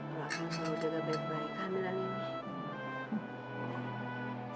lu akan menjaga baik baik kehamilan ini